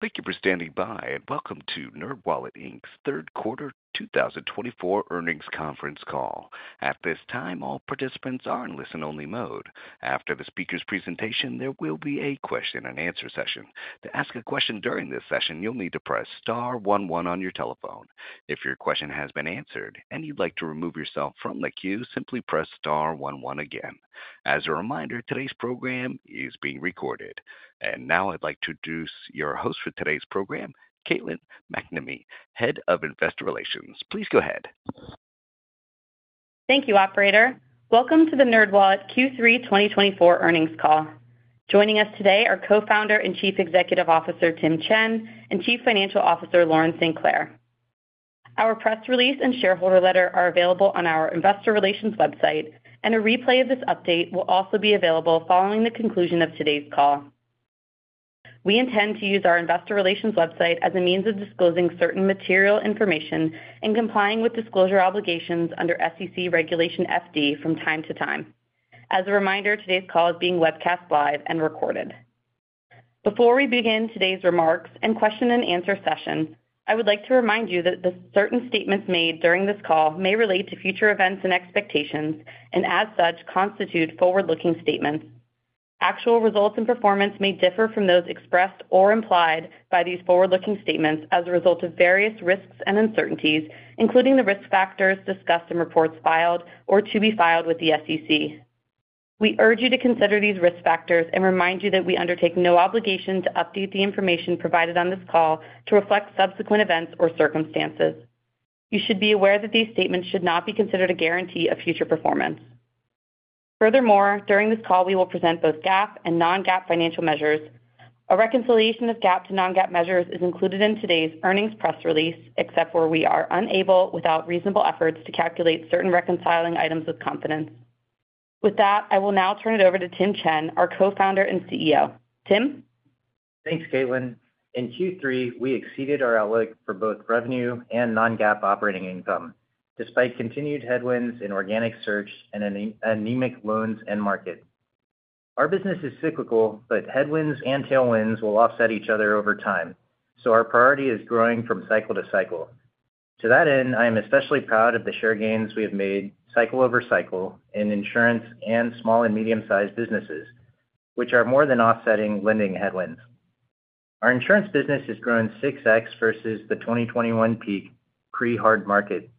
Thank you for standing by, and welcome to NerdWallet Inc.'s third quarter 2024 earnings conference call. At this time, all participants are in listen-only mode. After the speaker's presentation, there will be a question-and-answer session. To ask a question during this session, you'll need to press star one one on your telephone. If your question has been answered and you'd like to remove yourself from the queue, simply press star one one again. As a reminder, today's program is being recorded. And now I'd like to introduce your host for today's program, Caitlin MacNamee, Head of Investor Relations. Please go ahead. Thank you, Operator. Welcome to the NerdWallet Q3 2024 earnings call. Joining us today are Co-founder and Chief Executive Officer Tim Chen and Chief Financial Officer Lauren StClair. Our press release and Shareholder Letter are available on our Investor Relations website, and a replay of this update will also be available following the conclusion of today's call. We intend to use our investor relations website as a means of disclosing certain material information and complying with disclosure obligations under SEC Regulation FD from time to time. As a reminder, today's call is being webcast live and recorded. Before we begin today's remarks and question-and-answer session, I would like to remind you that certain statements made during this call may relate to future events and expectations and, as such, constitute forward-looking statements. Actual results and performance may differ from those expressed or implied by these forward-looking statements as a result of various risks and uncertainties, including the risk factors discussed in reports filed or to be filed with the SEC. We urge you to consider these risk factors and remind you that we undertake no obligation to update the information provided on this call to reflect subsequent events or circumstances. You should be aware that these statements should not be considered a guarantee of future performance. Furthermore, during this call, we will present both GAAP and non-GAAP financial measures. A reconciliation of GAAP to non-GAAP measures is included in today's earnings press release, except where we are unable, without reasonable efforts, to calculate certain reconciling items with confidence. With that, I will now turn it over to Tim Chen, our Co-founder and CEO. Tim. Thanks, Caitlin. In Q3, we exceeded our outlook for both revenue and non-GAAP operating income, despite continued headwinds in organic search and anemic loans end market. Our business is cyclical, but headwinds and tailwinds will offset each other over time, so our priority is growing from cycle to cycle. To that end, I am especially proud of the share gains we have made cycle over cycle in insurance and small and medium-sized businesses, which are more than offsetting lending headwinds. Our insurance business has grown 6x versus the 2021 peak pre-hard market.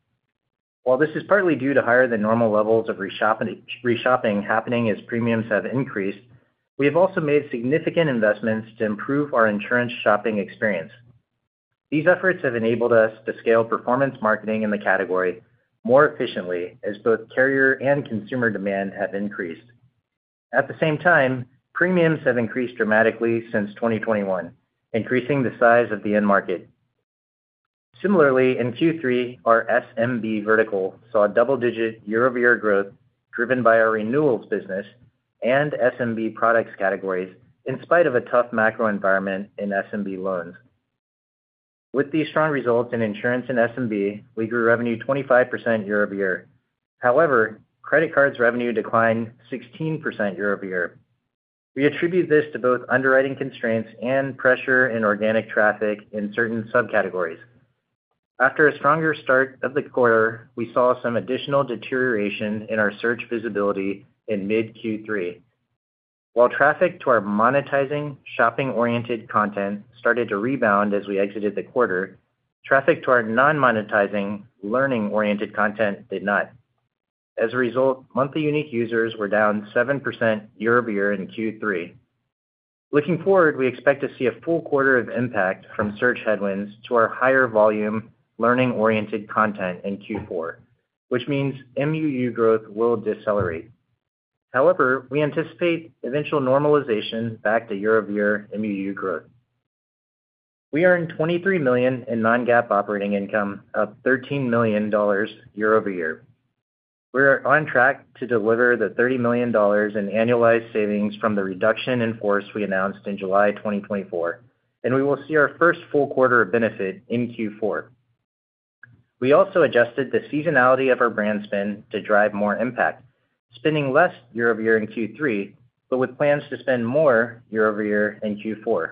While this is partly due to higher-than-normal levels of reshopping happening as premiums have increased, we have also made significant investments to improve our insurance shopping experience. These efforts have enabled us to scale performance marketing in the category more efficiently as both carrier and consumer demand have increased. At the same time, premiums have increased dramatically since 2021, increasing the size of the end market. Similarly, in Q3, our SMB vertical saw double-digit year-over-year growth driven by our renewals business and SMB products categories in spite of a tough macro environment in SMB loans. With these strong results in insurance and SMB, we grew revenue 25% year-over-year. However, credit cards revenue declined 16% year-over-year. We attribute this to both underwriting constraints and pressure in organic traffic in certain subcategories. After a stronger start of the quarter, we saw some additional deterioration in our search visibility in mid-Q3. While traffic to our monetizing, shopping-oriented content started to rebound as we exited the quarter, traffic to our non-monetizing, learning-oriented content did not. As a result, monthly unique users were down 7% year-over-year in Q3. Looking forward, we expect to see a full quarter of impact from search headwinds to our higher-volume learning-oriented content in Q4, which means MUU growth will decelerate. However, we anticipate eventual normalization back to year-over-year MUU growth. We earn $23 million in non-GAAP operating income, up $13 million year-over-year. We're on track to deliver the $30 million in annualized savings from the reduction in force we announced in July 2024, and we will see our first full quarter of benefit in Q4. We also adjusted the seasonality of our brand spend to drive more impact, spending less year-over-year in Q3, but with plans to spend more year-over-year in Q4.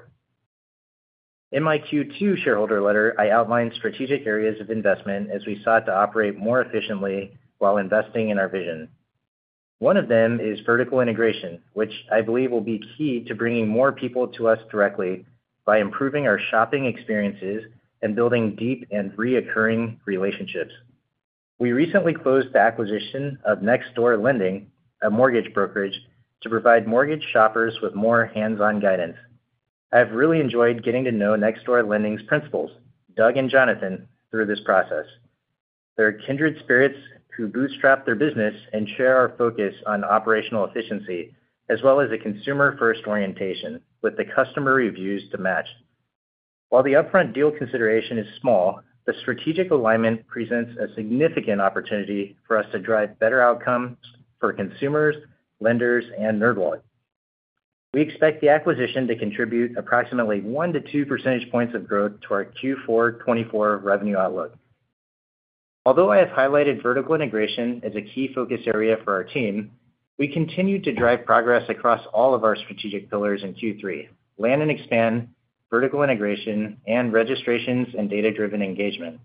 In my Q2 Shareholder Letter, I outlined strategic areas of investment as we sought to operate more efficiently while investing in our vision. One of them is vertical integration, which I believe will be key to bringing more people to us directly by improving our shopping experiences and building deep and recurring relationships. We recently closed the acquisition of Next Door Lending, a mortgage brokerage, to provide mortgage shoppers with more hands-on guidance. I've really enjoyed getting to know Next Door Lending's principals, Doug and Jonathon, through this process. They're kindred spirits who bootstrap their business and share our focus on operational efficiency as well as a consumer-first orientation with the customer reviews to match. While the upfront deal consideration is small, the strategic alignment presents a significant opportunity for us to drive better outcomes for consumers, lenders, and NerdWallet. We expect the acquisition to contribute approximately 1 percentage point-2 percentage points of growth to our Q4 2024 revenue outlook. Although I have highlighted vertical integration as a key focus area for our team, we continue to drive progress across all of our strategic pillars in Q3: land and expand, vertical integration, and registrations and data-driven engagement.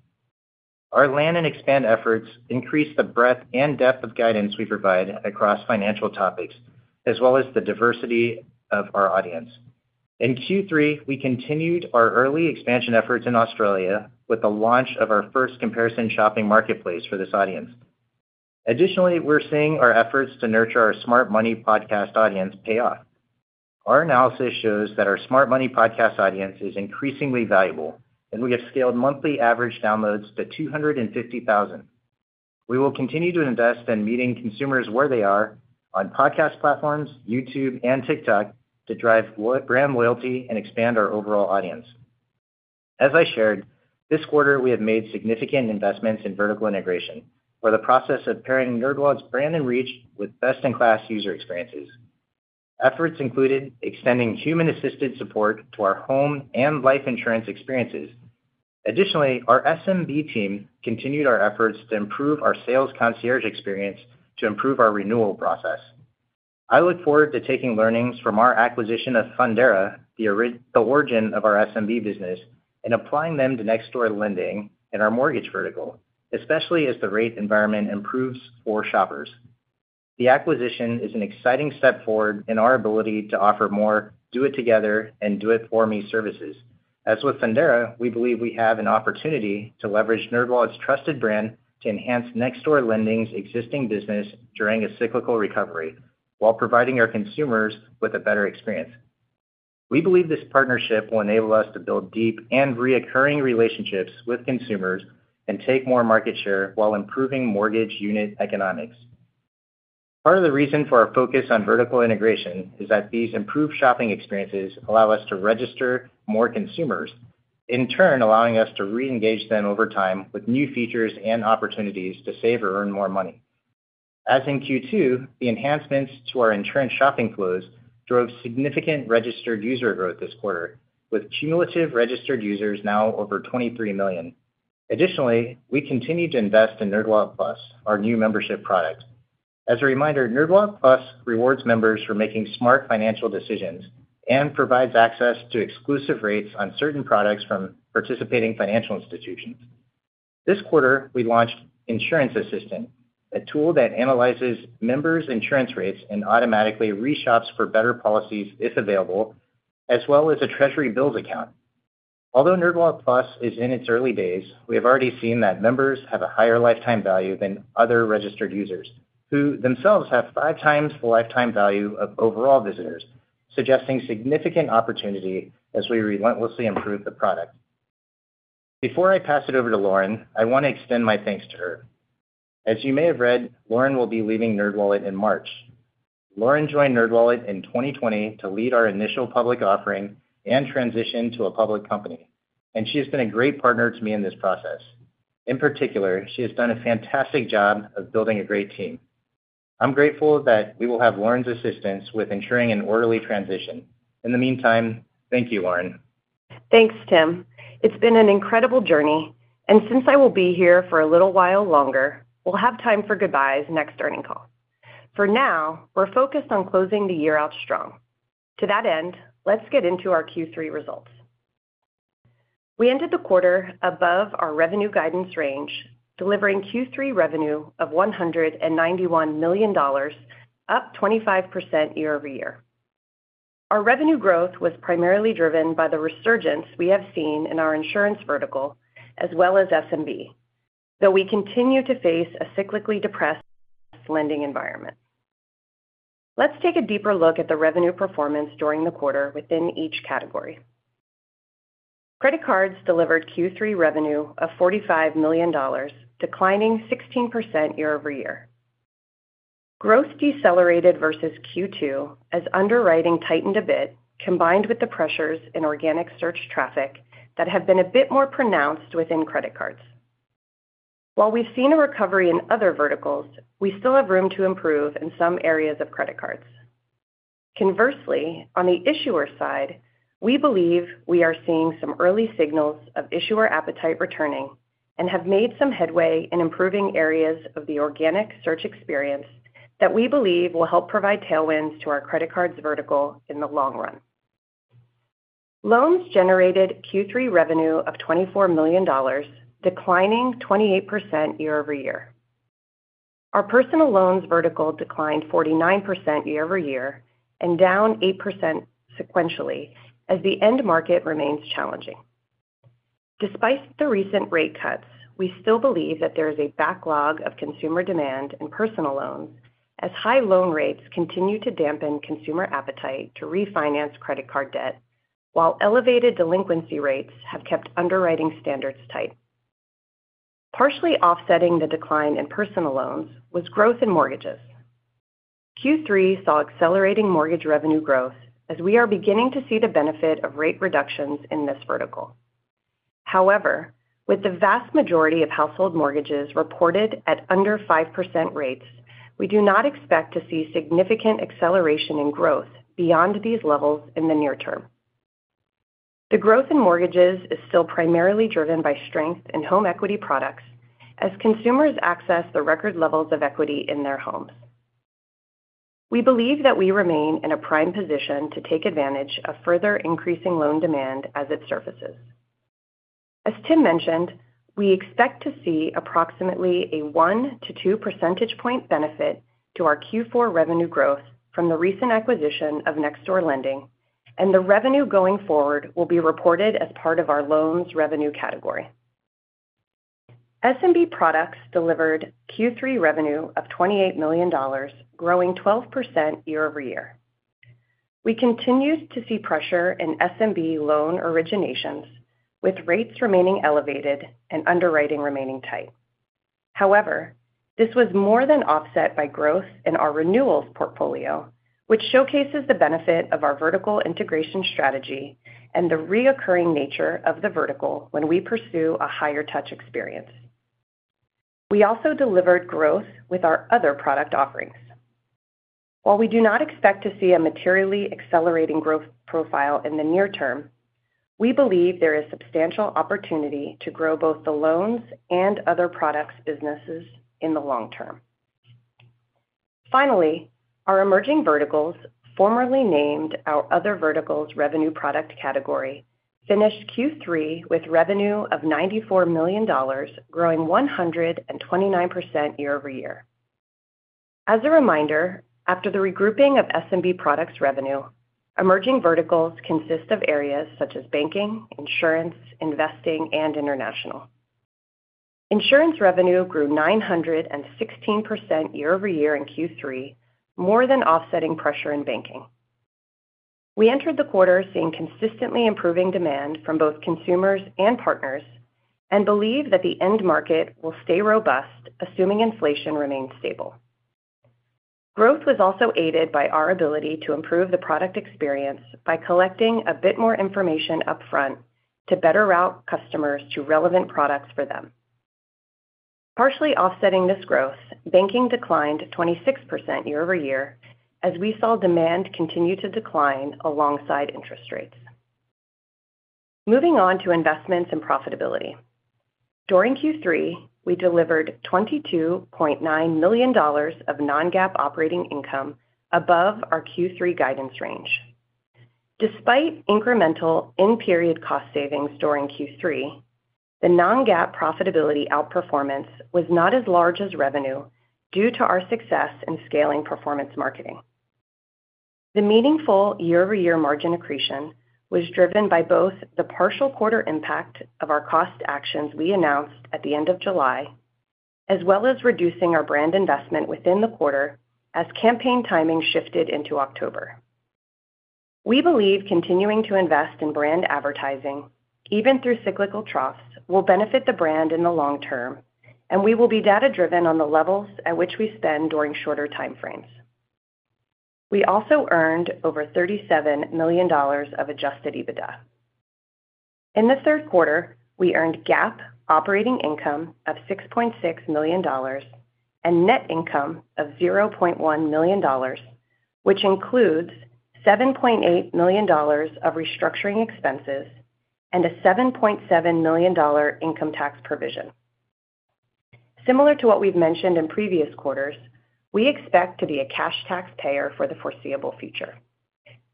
Our land and expand efforts increase the breadth and depth of guidance we provide across financial topics, as well as the diversity of our audience. In Q3, we continued our early expansion efforts in Australia with the launch of our first comparison shopping marketplace for this audience. Additionally, we're seeing our efforts to nurture our Smart Money podcast audience pay off. Our analysis shows that our Smart Money podcast audience is increasingly valuable, and we have scaled monthly average downloads to 250,000. We will continue to invest in meeting consumers where they are on podcast platforms, YouTube, and TikTok to drive brand loyalty and expand our overall audience. As I shared, this quarter, we have made significant investments in vertical integration for the process of pairing NerdWallet's brand and reach with best-in-class user experiences. Efforts included extending human-assisted support to our home and life insurance experiences. Additionally, our SMB team continued our efforts to improve our sales concierge experience to improve our renewal process. I look forward to taking learnings from our acquisition of Fundera, the origin of our SMB business, and applying them to Next Door Lending and our mortgage vertical, especially as the rate environment improves for shoppers. The acquisition is an exciting step forward in our ability to offer more do-it-together and do-it-for-me services. As with Fundera, we believe we have an opportunity to leverage NerdWallet's trusted brand to enhance Next Door Lending's existing business during a cyclical recovery while providing our consumers with a better experience. We believe this partnership will enable us to build deep and recurring relationships with consumers and take more market share while improving mortgage unit economics. Part of the reason for our focus on vertical integration is that these improved shopping experiences allow us to register more consumers, in turn allowing us to re-engage them over time with new features and opportunities to save or earn more money. As in Q2, the enhancements to our insurance shopping flows drove significant registered user growth this quarter, with cumulative registered users now over 23 million. Additionally, we continue to invest in NerdWallet+, our new membership product. As a reminder, NerdWallet+ rewards members for making smart financial decisions and provides access to exclusive rates on certain products from participating financial institutions. This quarter, we launched Insurance Assistant, a tool that analyzes members' insurance rates and automatically reshops for better policies if available, as well as a Treasury bills account. Although NerdWallet+ is in its early days, we have already seen that members have a higher lifetime value than other registered users, who themselves have five times the lifetime value of overall visitors, suggesting significant opportunity as we relentlessly improve the product. Before I pass it over to Lauren, I want to extend my thanks to her. As you may have read, Lauren will be leaving NerdWallet in March. Lauren joined NerdWallet in 2020 to lead our initial public offering and transition to a public company, and she has been a great partner to me in this process. In particular, she has done a fantastic job of building a great team. I'm grateful that we will have Lauren's assistance with ensuring an orderly transition. In the meantime, thank you, Lauren. Thanks, Tim. It's been an incredible journey, and since I will be here for a little while longer, we'll have time for goodbyes next earnings call. For now, we're focused on closing the year out strong. To that end, let's get into our Q3 results. We ended the quarter above our revenue guidance range, delivering Q3 revenue of $191 million, up 25% year-over-year. Our revenue growth was primarily driven by the resurgence we have seen in our insurance vertical as well as SMB, though we continue to face a cyclically depressed lending environment. Let's take a deeper look at the revenue performance during the quarter within each category. Credit cards delivered Q3 revenue of $45 million, declining 16% year-over-year. Growth decelerated versus Q2 as underwriting tightened a bit, combined with the pressures in organic search traffic that have been a bit more pronounced within credit cards. While we've seen a recovery in other verticals, we still have room to improve in some areas of credit cards. Conversely, on the issuer side, we believe we are seeing some early signals of issuer appetite returning and have made some headway in improving areas of the organic search experience that we believe will help provide tailwinds to our credit cards vertical in the long run. Loans generated Q3 revenue of $24 million, declining 28% year-over-year. Our personal loans vertical declined 49% year-over-year and down 8% sequentially as the end market remains challenging. Despite the recent rate cuts, we still believe that there is a backlog of consumer demand in personal loans as high loan rates continue to dampen consumer appetite to refinance credit card debt, while elevated delinquency rates have kept underwriting standards tight. Partially offsetting the decline in personal loans was growth in mortgages. Q3 saw accelerating mortgage revenue growth as we are beginning to see the benefit of rate reductions in this vertical. However, with the vast majority of household mortgages reported at under 5% rates, we do not expect to see significant acceleration in growth beyond these levels in the near term. The growth in mortgages is still primarily driven by strength in home equity products as consumers access the record levels of equity in their homes. We believe that we remain in a prime position to take advantage of further increasing loan demand as it surfaces. As Tim mentioned, we expect to see approximately a 1 percentage point-2 percentage point benefit to our Q4 revenue growth from the recent acquisition of Next Door Lending, and the revenue going forward will be reported as part of our loans revenue category. SMB products delivered Q3 revenue of $28 million, growing 12% year-over-year. We continued to see pressure in SMB loan originations, with rates remaining elevated and underwriting remaining tight. However, this was more than offset by growth in our renewals portfolio, which showcases the benefit of our vertical integration strategy and the recurring nature of the vertical when we pursue a higher-touch experience. We also delivered growth with our other product offerings. While we do not expect to see a materially accelerating growth profile in the near term, we believe there is substantial opportunity to grow both the loans and other products businesses in the long term. Finally, our emerging verticals, formerly named our other verticals revenue product category, finished Q3 with revenue of $94 million, growing 129% year-over-year. As a reminder, after the regrouping of SMB products revenue, emerging verticals consist of areas such as banking, insurance, investing, and international. Insurance revenue grew 916% year-over-year in Q3, more than offsetting pressure in banking. We entered the quarter seeing consistently improving demand from both consumers and partners and believe that the end market will stay robust, assuming inflation remains stable. Growth was also aided by our ability to improve the product experience by collecting a bit more information upfront to better route customers to relevant products for them. Partially offsetting this growth, banking declined 26% year-over-year as we saw demand continue to decline alongside interest rates. Moving on to investments and profitability. During Q3, we delivered $22.9 million of non-GAAP operating income above our Q3 guidance range. Despite incremental in-period cost savings during Q3, the non-GAAP profitability outperformance was not as large as revenue due to our success in scaling performance marketing. The meaningful year-over-year margin accretion was driven by both the partial quarter impact of our cost actions we announced at the end of July, as well as reducing our brand investment within the quarter as campaign timing shifted into October. We believe continuing to invest in brand advertising, even through cyclical troughs, will benefit the brand in the long term, and we will be data-driven on the levels at which we spend during shorter timeframes. We also earned over $37 million of adjusted EBITDA. In the third quarter, we earned GAAP operating income of $6.6 million and net income of $0.1 million, which includes $7.8 million of restructuring expenses and a $7.7 million income tax provision. Similar to what we've mentioned in previous quarters, we expect to be a cash taxpayer for the foreseeable future.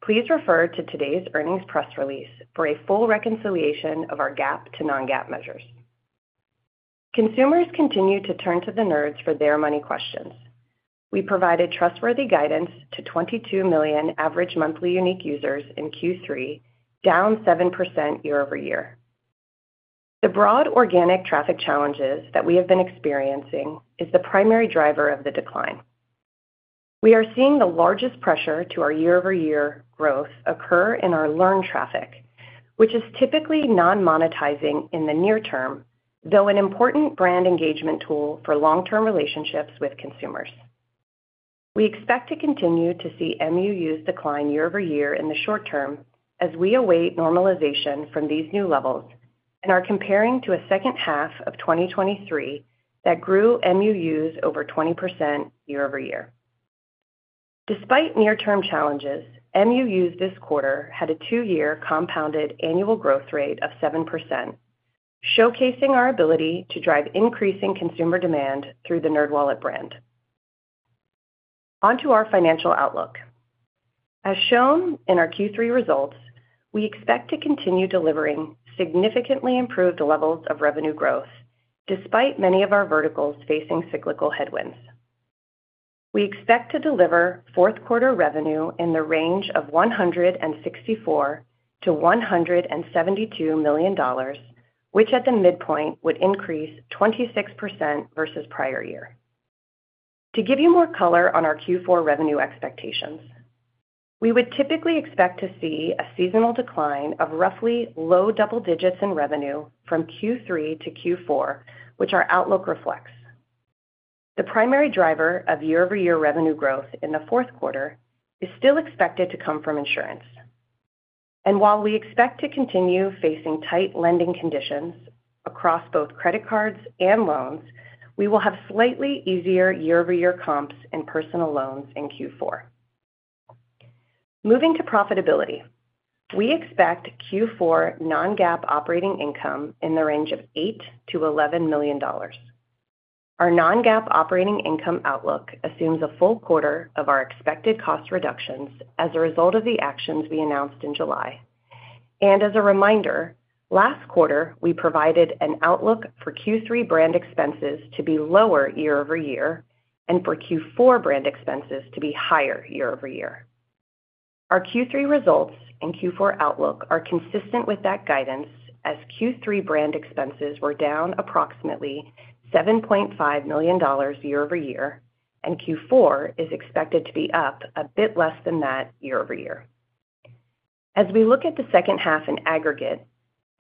Please refer to today's earnings press release for a full reconciliation of our GAAP to non-GAAP measures. Consumers continue to turn to the nerds for their money questions. We provided trustworthy guidance to 22 million average monthly unique users in Q3, down 7% year-over-year. The broad organic traffic challenges that we have been experiencing are the primary driver of the decline. We are seeing the largest pressure to our year-over-year growth occur in our learn traffic, which is typically non-monetizing in the near term, though an important brand engagement tool for long-term relationships with consumers. We expect to continue to see MUUs decline year-over-year in the short term as we await normalization from these new levels and are comparing to a second half of 2023 that grew MUUs over 20% year-over-year. Despite near-term challenges, MUUs this quarter had a two-year compounded annual growth rate of 7%, showcasing our ability to drive increasing consumer demand through the NerdWallet brand. Onto our financial outlook. As shown in our Q3 results, we expect to continue delivering significantly improved levels of revenue growth despite many of our verticals facing cyclical headwinds. We expect to deliver fourth quarter revenue in the range of $164 million-$172 million, which at the midpoint would increase 26% versus prior year. To give you more color on our Q4 revenue expectations, we would typically expect to see a seasonal decline of roughly low double digits in revenue from Q3 to Q4, which our outlook reflects. The primary driver of year-over-year revenue growth in the fourth quarter is still expected to come from insurance. And while we expect to continue facing tight lending conditions across both credit cards and loans, we will have slightly easier year-over-year comps in personal loans in Q4. Moving to profitability, we expect Q4 non-GAAP operating income in the range of $8 million-$11 million. Our non-GAAP operating income outlook assumes a full quarter of our expected cost reductions as a result of the actions we announced in July. And as a reminder, last quarter, we provided an outlook for Q3 brand expenses to be lower year-over-year and for Q4 brand expenses to be higher year-over-year. Our Q3 results and Q4 outlook are consistent with that guidance as Q3 brand expenses were down approximately $7.5 million year-over-year, and Q4 is expected to be up a bit less than that year-over-year. As we look at the second half in aggregate,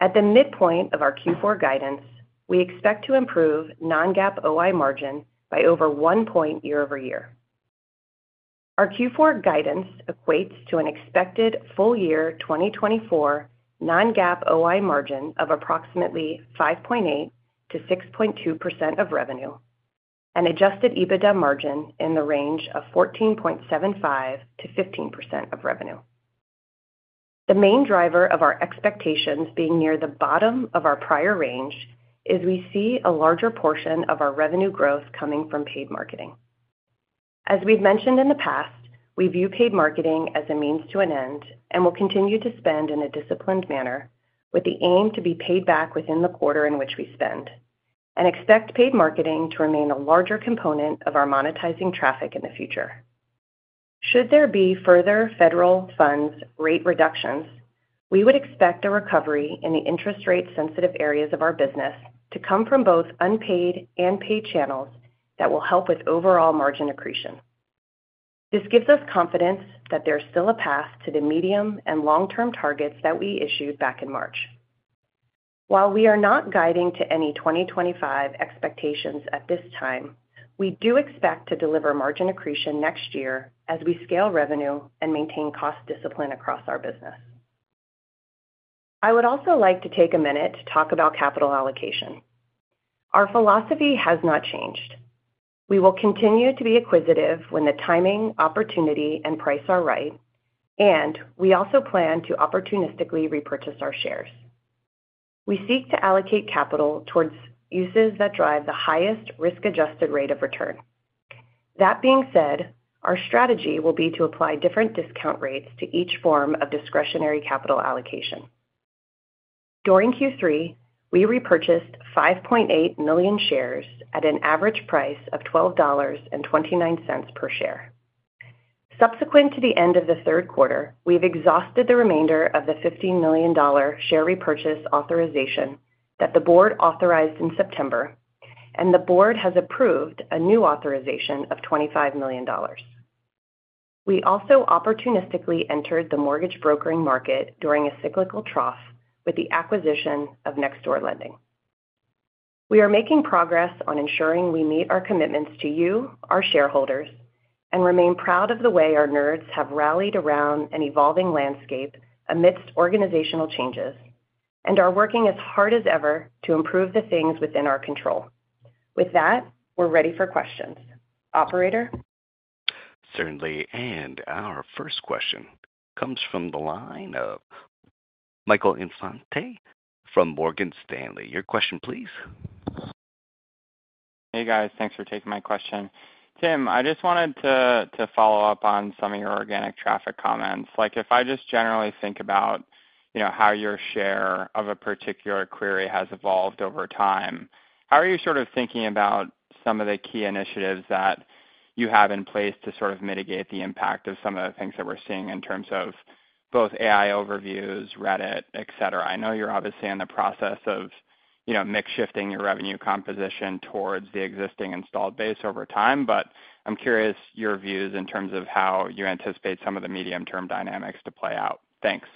at the midpoint of our Q4 guidance, we expect to improve Non-GAAP OI margin by over one point year-over-year. Our Q4 guidance equates to an expected full year 2024 Non-GAAP OI margin of approximately 5.8%-6.2% of revenue and adjusted EBITDA margin in the range of 14.75%-15% of revenue. The main driver of our expectations being near the bottom of our prior range is we see a larger portion of our revenue growth coming from paid marketing. As we've mentioned in the past, we view paid marketing as a means to an end and will continue to spend in a disciplined manner with the aim to be paid back within the quarter in which we spend and expect paid marketing to remain a larger component of our monetizing traffic in the future. Should there be further federal funds rate reductions, we would expect a recovery in the interest rate-sensitive areas of our business to come from both unpaid and paid channels that will help with overall margin accretion. This gives us confidence that there's still a path to the medium and long-term targets that we issued back in March. While we are not guiding to any 2025 expectations at this time, we do expect to deliver margin accretion next year as we scale revenue and maintain cost discipline across our business. I would also like to take a minute to talk about capital allocation. Our philosophy has not changed. We will continue to be acquisitive when the timing, opportunity, and price are right, and we also plan to opportunistically repurchase our shares. We seek to allocate capital towards uses that drive the highest risk-adjusted rate of return. That being said, our strategy will be to apply different discount rates to each form of discretionary capital allocation. During Q3, we repurchased 5.8 million shares at an average price of $12.29 per share. Subsequent to the end of the third quarter, we've exhausted the remainder of the $15 million share repurchase authorization that the board authorized in September, and the board has approved a new authorization of $25 million. We also opportunistically entered the mortgage brokering market during a cyclical trough with the acquisition of Next Door Lending. We are making progress on ensuring we meet our commitments to you, our shareholders, and remain proud of the way our nerds have rallied around an evolving landscape amidst organizational changes and are working as hard as ever to improve the things within our control. With that, we're ready for questions. Operator? Certainly. Our first question comes from the line of Michael Infante from Morgan Stanley. Your question, please. Hey, guys. Thanks for taking my question. Tim, I just wanted to follow up on some of your organic traffic comments. If I just generally think about how your share of a particular query has evolved over time, how are you sort of thinking about some of the key initiatives that you have in place to sort of mitigate the impact of some of the things that we're seeing in terms of both AI Overviews, Reddit, etc.? I know you're obviously in the process of mix shifting your revenue composition towards the existing installed base over time, but I'm curious your views in terms of how you anticipate some of the medium-term dynamics to play out. Thanks.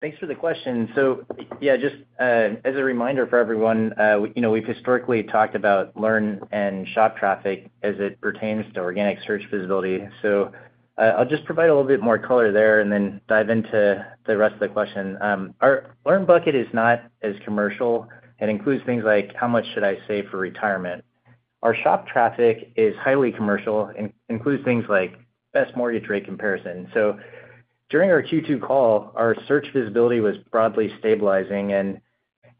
Thanks for the question. So yeah, just as a reminder for everyone, we've historically talked about learn and shop traffic as it pertains to organic search visibility. So I'll just provide a little bit more color there and then dive into the rest of the question. Our learn bucket is not as commercial. It includes things like how much should I save for retirement. Our shop traffic is highly commercial and includes things like best mortgage rate comparison. So during our Q2 call, our search visibility was broadly stabilizing and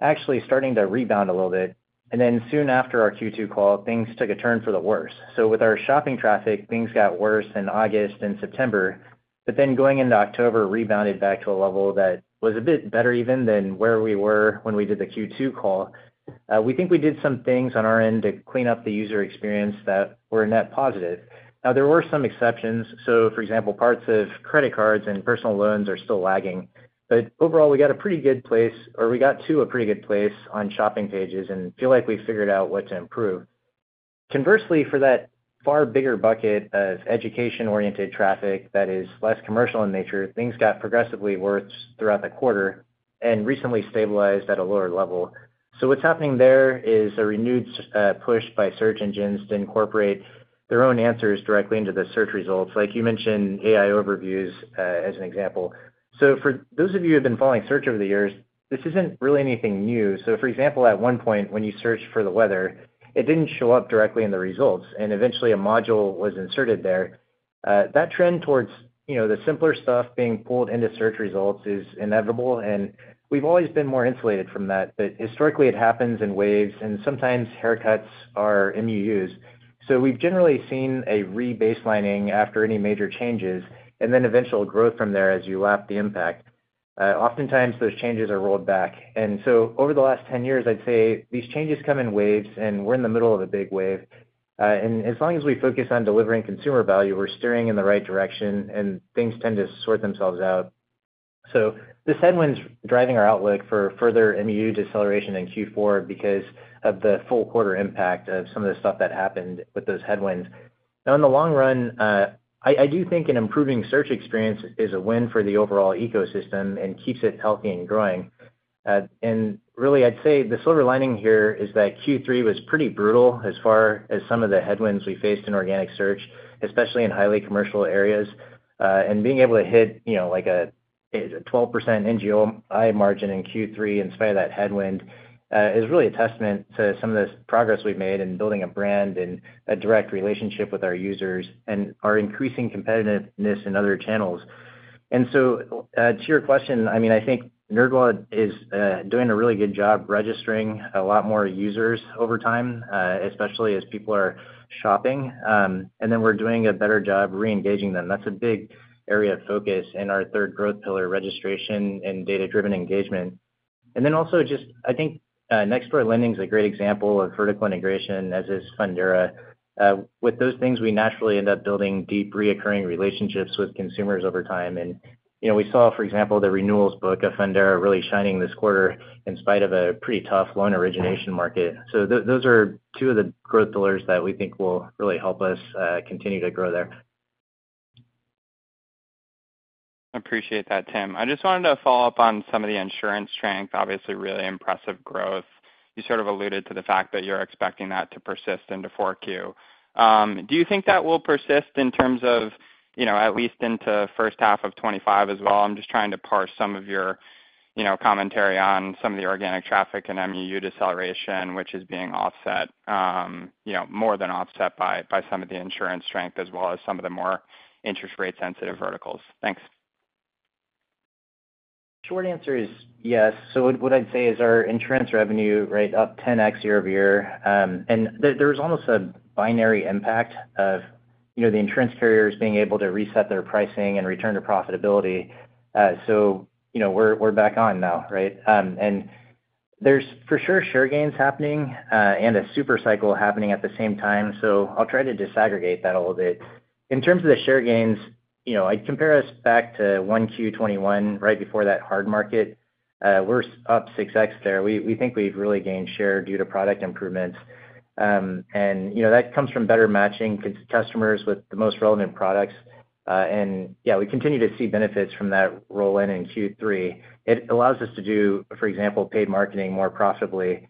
actually starting to rebound a little bit. And then soon after our Q2 call, things took a turn for the worse. So with our shopping traffic, things got worse in August and September, but then going into October rebounded back to a level that was a bit better even than where we were when we did the Q2 call. We think we did some things on our end to clean up the user experience that were net positive. Now, there were some exceptions. So for example, parts of credit cards and personal loans are still lagging. But overall, we got a pretty good place, or we got to a pretty good place on shopping pages and feel like we figured out what to improve. Conversely, for that far bigger bucket of education-oriented traffic that is less commercial in nature, things got progressively worse throughout the quarter and recently stabilized at a lower level. So what's happening there is a renewed push by search engines to incorporate their own answers directly into the search results. Like you mentioned, AI Overviews as an example. So for those of you who have been following search over the years, this isn't really anything new. So for example, at one point when you searched for the weather, it didn't show up directly in the results, and eventually a module was inserted there. That trend towards the simpler stuff being pulled into search results is inevitable, and we've always been more insulated from that. But historically, it happens in waves, and sometimes haircuts are MUUs. So we've generally seen a re-baselining after any major changes and then eventual growth from there as you lap the impact. Oftentimes, those changes are rolled back. And so over the last 10 years, I'd say these changes come in waves, and we're in the middle of a big wave. And as long as we focus on delivering consumer value, we're steering in the right direction, and things tend to sort themselves out. This headwind's driving our outlook for further MUU deceleration in Q4 because of the full quarter impact of some of the stuff that happened with those headwinds. Now, in the long run, I do think an improving search experience is a win for the overall ecosystem and keeps it healthy and growing. Really, I'd say the silver lining here is that Q3 was pretty brutal as far as some of the headwinds we faced in organic search, especially in highly commercial areas. Being able to hit a 12% NGOI margin in Q3 in spite of that headwind is really a testament to some of the progress we've made in building a brand and a direct relationship with our users and our increasing competitiveness in other channels. And so to your question, I mean, I think NerdWallet is doing a really good job registering a lot more users over time, especially as people are shopping. And then we're doing a better job re-engaging them. That's a big area of focus in our third growth pillar, registration and data-driven engagement. And then also just, I think Next Door Lending is a great example of vertical integration as is Fundera. With those things, we naturally end up building deep recurring relationships with consumers over time. And we saw, for example, the renewals book of Fundera really shining this quarter in spite of a pretty tough loan origination market. So those are two of the growth pillars that we think will really help us continue to grow there. Appreciate that, Tim. I just wanted to follow up on some of the insurance strength. Obviously, really impressive growth. You sort of alluded to the fact that you're expecting that to persist into 4Q. Do you think that will persist in terms of at least into first half of 2025 as well? I'm just trying to parse some of your commentary on some of the organic traffic and MUU deceleration, which is being offset, more than offset by some of the insurance strength as well as some of the more interest rate-sensitive verticals. Thanks. Short answer is yes. So what I'd say is our insurance revenue right up 10x year-over-year. And there was almost a binary impact of the insurance carriers being able to reset their pricing and return to profitability. So we're back on now, right? And there's for sure share gains happening and a super cycle happening at the same time. So I'll try to disaggregate that a little bit. In terms of the share gains, I'd compare us back to 1Q 2021 right before that hard market. We're up 6x there. We think we've really gained share due to product improvements. And that comes from better matching customers with the most relevant products. And yeah, we continue to see benefits from that roll-in in Q3. It allows us to do, for example, paid marketing more profitably.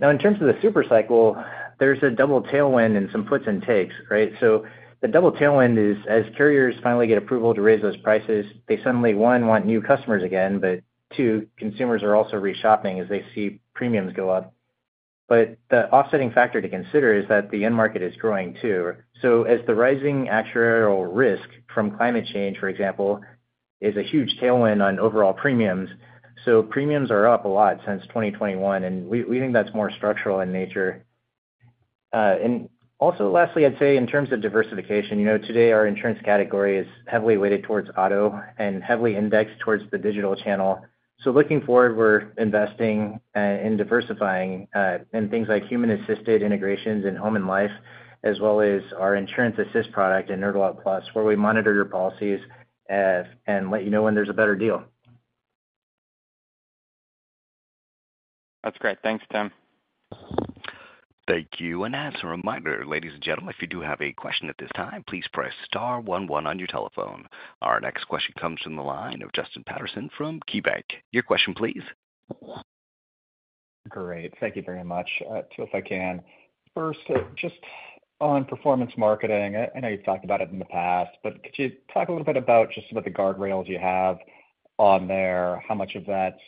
Now, in terms of the super cycle, there's a double tailwind and some puts and takes, right? So the double tailwind is as carriers finally get approval to raise those prices. They suddenly, one, want new customers again, but two, consumers are also reshopping as they see premiums go up. But the offsetting factor to consider is that the end market is growing too. So as the rising actual risk from climate change, for example, is a huge tailwind on overall premiums, so premiums are up a lot since 2021, and we think that's more structural in nature. And also, lastly, I'd say in terms of diversification, today our insurance category is heavily weighted towards auto and heavily indexed towards the digital channel. So looking forward, we're investing and diversifying in things like human-assisted integrations and home and life, as well as our Insurance Assistant product in NerdWallet+, where we monitor your policies and let you know when there's a better deal. That's great. Thanks, Tim. Thank you. And as a reminder, ladies and gentlemen, if you do have a question at this time, please press star one one on your telephone. Our next question comes from the line of Justin Patterson from KeyBanc. Your question, please. Great. Thank you very much. If I can, first, just on performance marketing, I know you've talked about it in the past, but could you talk a little bit about just some of the guardrails you have on there How much of that's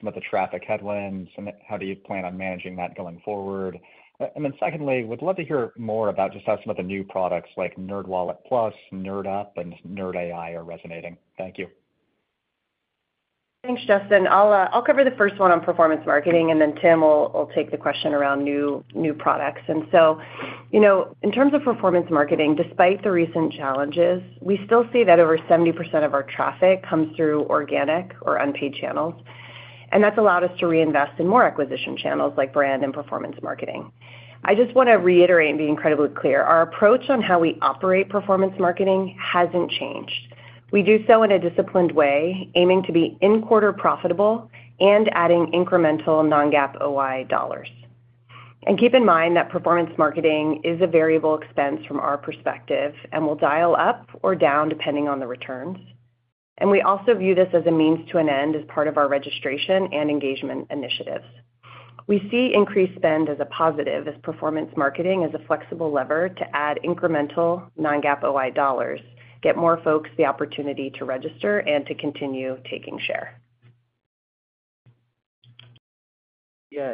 really incremental in nature versus responding to some of the traffic headwinds, and how do you plan on managing that going forward? And then secondly, we'd love to hear more about just how some of the new products like NerdWallet+, NerdUp, and Nerd AI are resonating. Thank you. Thanks, Justin. I'll cover the first one on performance marketing, and then Tim will take the question around new products. And so in terms of performance marketing, despite the recent challenges, we still see that over 70% of our traffic comes through organic or unpaid channels. And that's allowed us to reinvest in more acquisition channels like brand and performance marketing. I just want to reiterate and be incredibly clear. Our approach on how we operate performance marketing hasn't changed. We do so in a disciplined way, aiming to be in-quarter profitable and adding incremental non-GAAP OI dollars, and keep in mind that performance marketing is a variable expense from our perspective and will dial up or down depending on the returns, and we also view this as a means to an end as part of our registration and engagement initiatives. We see increased spend as a positive as performance marketing is a flexible lever to add incremental non-GAAP OI dollars, get more folks the opportunity to register, and to continue taking share. Yeah,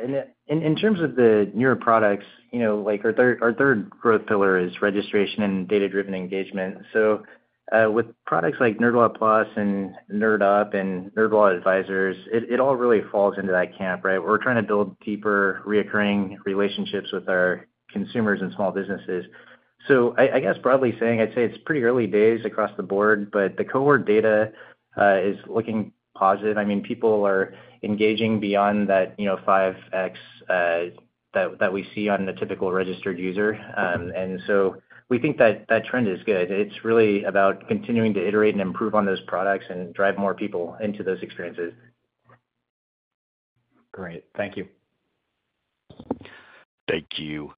and in terms of the newer products, our third growth pillar is registration and data-driven engagement. So with products like NerdWallet+ and NerdUp and NerdWallet Advisors, it all really falls into that camp, right? We're trying to build deeper recurring relationships with our consumers and small businesses. So I guess broadly saying, I'd say it's pretty early days across the board, but the cohort data is looking positive. I mean, people are engaging beyond that 5x that we see on the typical registered user. And so we think that that trend is good. It's really about continuing to iterate and improve on those products and drive more people into those experiences. Great. Thank you. Thank you.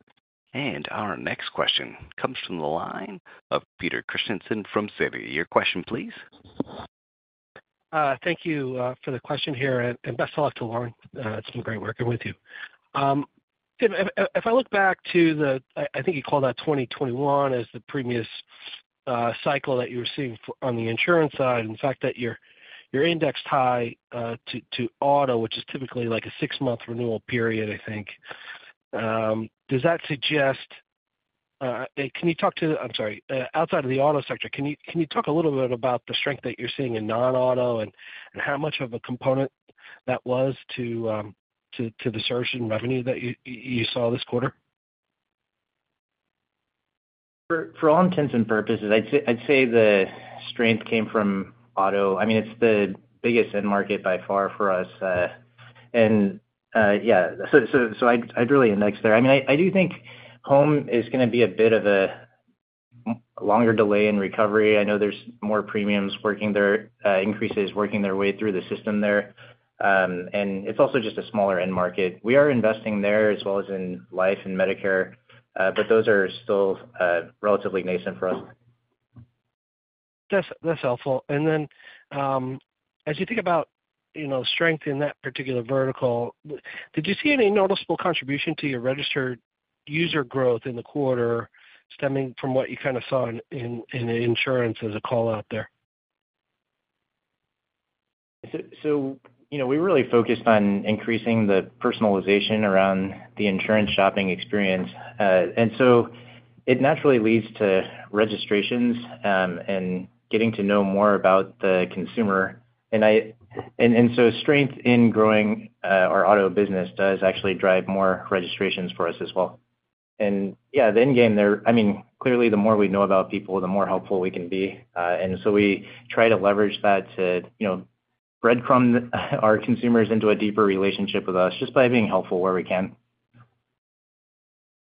And our next question comes from the line of Peter Christiansen from Citi. Your question, please. Thank you for the question here. And best of luck to Lauren. It's been great working with you. If I look back to the, I think you called that 2021 as the previous cycle that you were seeing on the insurance side. And the fact that you're indexed high to auto, which is typically like a six-month renewal period, I think, does that suggest? Can you talk to, I'm sorry. Outside of the auto sector, can you talk a little bit about the strength that you're seeing in non-auto and how much of a component that was to the search and revenue that you saw this quarter? For all intents and purposes, I'd say the strength came from auto. I mean, it's the biggest end market by far for us. And yeah, so I'd really index there. I mean, I do think home is going to be a bit of a longer delay in recovery. I know there's more premiums working there, increases working their way through the system there. And it's also just a smaller end market. We are investing there as well as in life and Medicare, but those are still relatively nascent for us. That's helpful. And then as you think about strength in that particular vertical, did you see any noticeable contribution to your registered user growth in the quarter stemming from what you kind of saw in insurance as a call out there? So we really focused on increasing the personalization around the insurance shopping experience. And so it naturally leads to registrations and getting to know more about the consumer. And so strength in growing our auto business does actually drive more registrations for us as well. And yeah, the end game there, I mean, clearly the more we know about people, the more helpful we can be. And so we try to leverage that to breadcrumb our consumers into a deeper relationship with us just by being helpful where we can.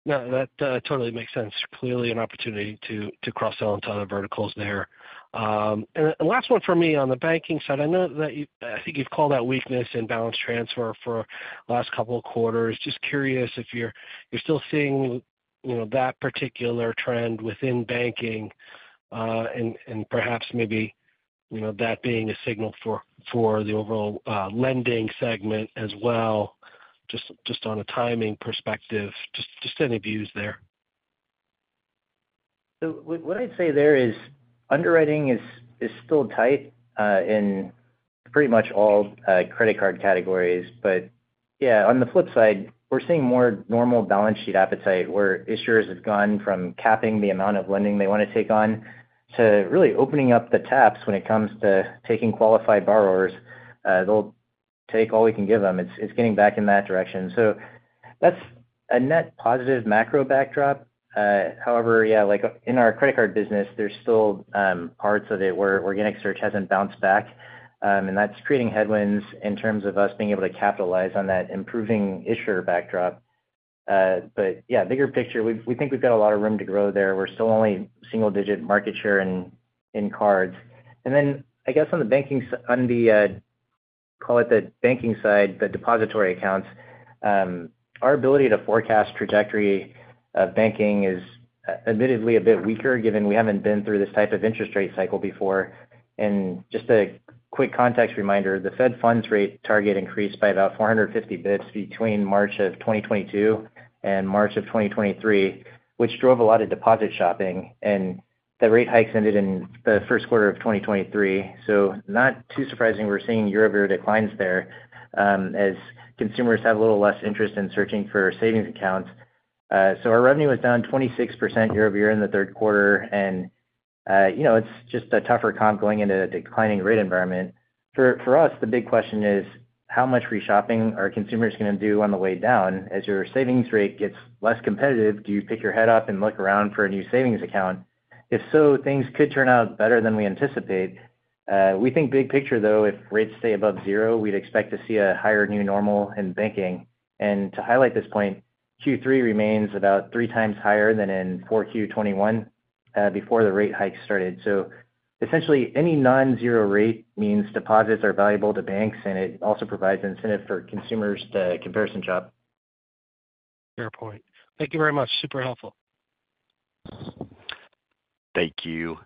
Yeah. That totally makes sense. Clearly an opportunity to cross out into other verticals there. And last one for me on the banking side, I know that I think you've called that weakness in balance transfer for the last couple of quarters. Just curious if you're still seeing that particular trend within banking and perhaps maybe that being a signal for the overall lending segment as well, just on a timing perspective, just any views there. So what I'd say there is underwriting is still tight in pretty much all credit card categories. But yeah, on the flip side, we're seeing more normal balance sheet appetite where issuers have gone from capping the amount of lending they want to take on to really opening up the taps when it comes to taking qualified borrowers. They'll take all we can give them. It's getting back in that direction. So that's a net positive macro backdrop. However, yeah, in our credit card business, there's still parts of it where organic search hasn't bounced back. And that's creating headwinds in terms of us being able to capitalize on that improving issuer backdrop. But yeah, bigger picture, we think we've got a lot of room to grow there. We're still only single-digit market share in cards. Then I guess on the banking, on the, call it the banking side, the depository accounts, our ability to forecast trajectory of banking is admittedly a bit weaker given we haven't been through this type of interest rate cycle before. Just a quick context reminder, the Fed funds rate target increased by about 450 bps between March of 2022 and March of 2023, which drove a lot of deposit shopping. The rate hikes ended in the first quarter of 2023. Not too surprising, we're seeing year-over-year declines there as consumers have a little less interest in searching for savings accounts. Our revenue was down 26% year-over-year in the third quarter. It's just a tougher comp going into a declining rate environment. For us, the big question is how much reshopping are consumers going to do on the way down as your savings rate gets less competitive? Do you pick your head up and look around for a new savings account? If so, things could turn out better than we anticipate. We think big picture, though, if rates stay above zero, we'd expect to see a higher new normal in banking, and to highlight this point, Q3 remains about 3x higher than in 4Q 2021 before the rate hikes started. So essentially, any non-zero rate means deposits are valuable to banks, and it also provides incentive for consumers to comparison shop. Fair point. Thank you very much. Super helpful. Thank you.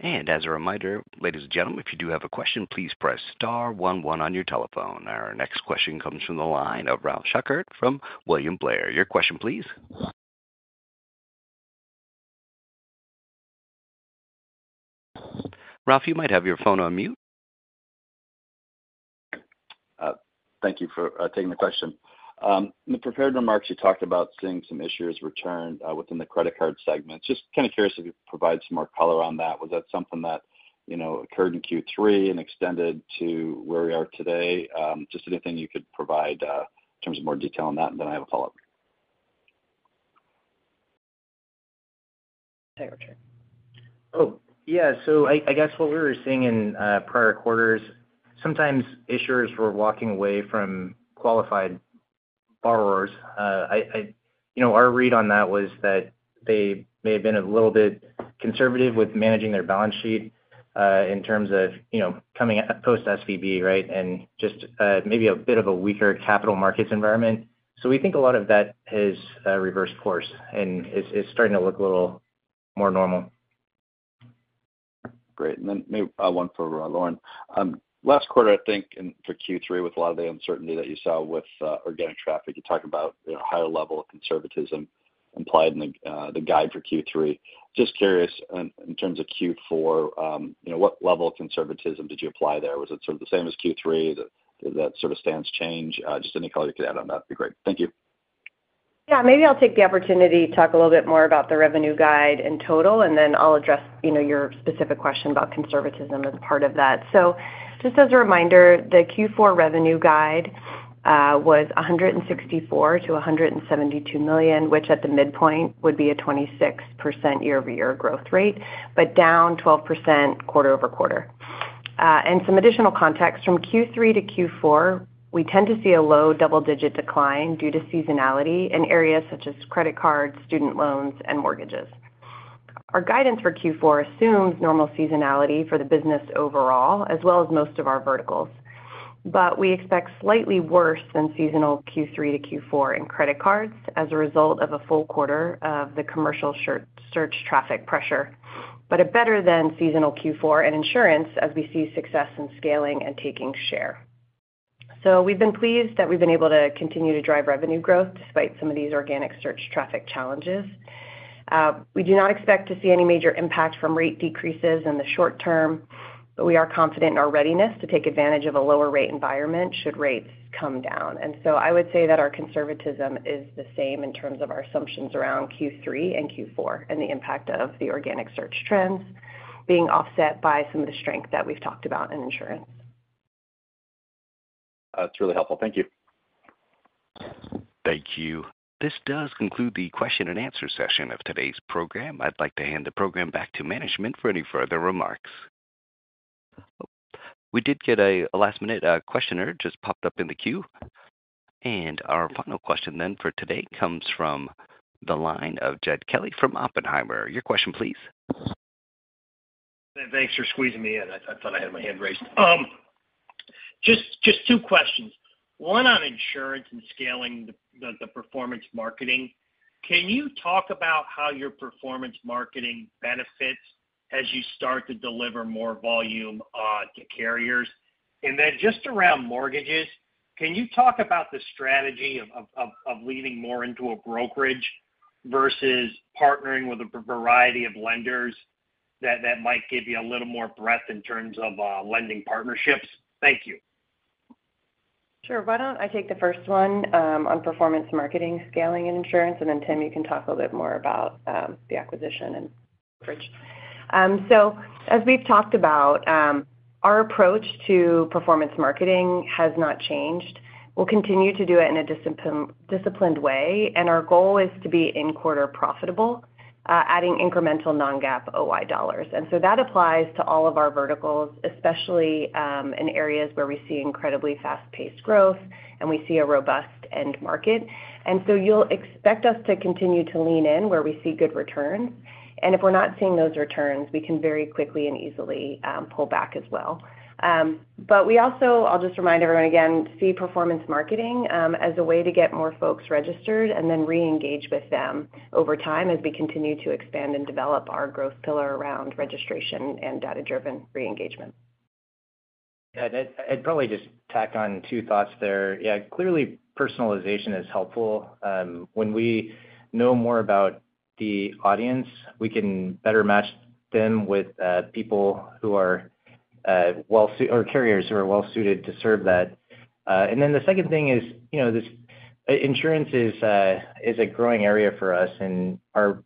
And as a reminder, ladies and gentlemen, if you do have a question, please press star one one on your telephone. Our next question comes from the line of Ralph Schackart from William Blair. Your question, please. Ralph, you might have your phone on mute. Thank you for taking the question. In the prepared remarks, you talked about seeing some issuers return within the credit card segment. Just kind of curious if you could provide some more color on that. Was that something that occurred in Q3 and extended to where we are today? Just anything you could provide in terms of more detail on that, and then I have a follow-up. Oh, yeah. So I guess what we were seeing in prior quarters, sometimes issuers were walking away from qualified borrowers. Our read on that was that they may have been a little bit conservative with managing their balance sheet in terms of coming post-SVB, right, and just maybe a bit of a weaker capital markets environment. So we think a lot of that has reversed course and is starting to look a little more normal. Great. And then maybe one for Lauren. Last quarter, I think, for Q3, with a lot of the uncertainty that you saw with organic traffic, you talked about a higher level of conservatism implied in the guide for Q3. Just curious, in terms of Q4, what level of conservatism did you apply there? Was it sort of the same as Q3? Did that sort of stance change? Just any color you could add on that would be great. Thank you. Yeah. Maybe I'll take the opportunity to talk a little bit more about the revenue guide in total, and then I'll address your specific question about conservatism as part of that. Just as a reminder, the Q4 revenue guide was $164 million-$172 million, which at the midpoint would be a 26% year-over-year growth rate, but down 12% quarter-over-quarter. Some additional context. From Q3-Q4, we tend to see a low double-digit decline due to seasonality in areas such as credit cards, student loans, and mortgages. Our guidance for Q4 assumes normal seasonality for the business overall, as well as most of our verticals. We expect slightly worse than seasonal Q3-Q4 in credit cards as a result of a full quarter of the commercial search traffic pressure, but better than seasonal Q4 in insurance as we see success in scaling and taking share. We've been pleased that we've been able to continue to drive revenue growth despite some of these organic search traffic challenges. We do not expect to see any major impact from rate decreases in the short term, but we are confident in our readiness to take advantage of a lower rate environment should rates come down. And so I would say that our conservatism is the same in terms of our assumptions around Q3 and Q4 and the impact of the organic search trends being offset by some of the strength that we've talked about in insurance. That's really helpful. Thank you. Thank you. This does conclude the question and answer session of today's program. I'd like to hand the program back to management for any further remarks. We did get a last-minute question just popped up in the queue. And our final question then for today comes from the line of Jed Kelly from Oppenheimer. Your question, please. Thanks for squeezing me in. I thought I had my hand raised. Just two questions. One on insurance and scaling the performance marketing. Can you talk about how your performance marketing benefits as you start to deliver more volume to carriers? And then just around mortgages, can you talk about the strategy of leaning more into a brokerage versus partnering with a variety of lenders that might give you a little more breadth in terms of lending partnerships? Thank you. Sure. Why don't I take the first one on performance marketing, scaling, and insurance? And then Tim, you can talk a little bit more about the acquisition and mortgages. So as we've talked about, our approach to performance marketing has not changed. We'll continue to do it in a disciplined way. And our goal is to be in quarter profitable, adding incremental non-GAAP OI dollars. And so that applies to all of our verticals, especially in areas where we see incredibly fast-paced growth and we see a robust end market. And so you'll expect us to continue to lean in where we see good returns. And if we're not seeing those returns, we can very quickly and easily pull back as well. But we also, I'll just remind everyone again, see performance marketing as a way to get more folks registered and then re-engage with them over time as we continue to expand and develop our growth pillar around registration and data-driven re-engagement. Yeah. I'd probably just tack on two thoughts there. Yeah. Clearly, personalization is helpful. When we know more about the audience, we can better match them with people who are well-suited or carriers who are well-suited to serve that. And then the second thing is insurance is a growing area for us, and our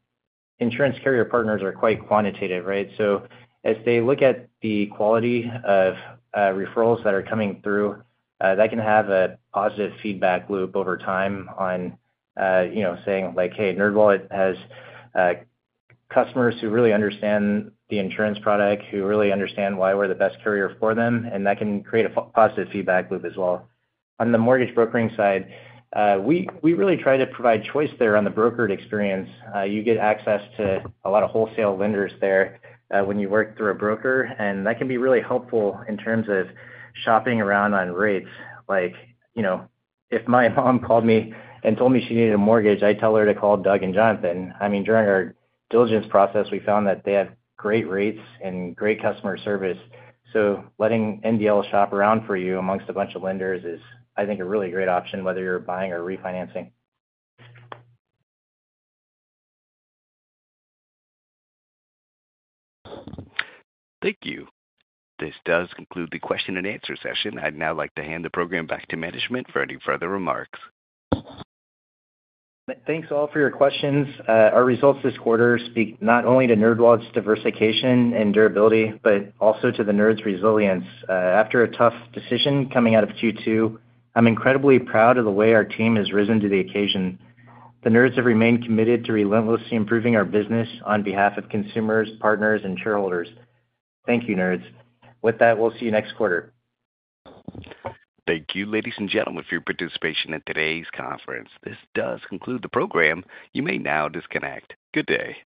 insurance carrier partners are quite quantitative, right? So as they look at the quality of referrals that are coming through, that can have a positive feedback loop over time on saying like, "Hey, NerdWallet has customers who really understand the insurance product, who really understand why we're the best carrier for them." And that can create a positive feedback loop as well. On the mortgage brokering side, we really try to provide choice there on the brokered experience. You get access to a lot of wholesale lenders there when you work through a broker. And that can be really helpful in terms of shopping around on rates. If my mom called me and told me she needed a mortgage, I'd tell her to call Doug and Jonathon. I mean, during our diligence process, we found that they had great rates and great customer service. So letting NDL shop around for you amongst a bunch of lenders is, I think, a really great option whether you're buying or refinancing. Thank you. This does conclude the question and answer session. I'd now like to hand the program back to management for any further remarks. Thanks all for your questions. Our results this quarter speak not only to NerdWallet's diversification and durability, but also to the Nerd's resilience. After a tough decision coming out of Q2, I'm incredibly proud of the way our team has risen to the occasion. The Nerds have remained committed to relentlessly improving our business on behalf of consumers, partners, and shareholders. Thank you, Nerds. With that, we'll see you next quarter. Thank you, ladies and gentlemen, for your participation in today's conference. This does conclude the program. You may now disconnect. Good day.